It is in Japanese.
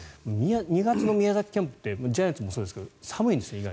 ２月の宮崎キャンプってジャイアンツもそうですけど意外と寒いんですね。